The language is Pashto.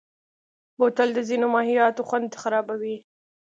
بوتل د ځینو مایعاتو خوند خرابوي.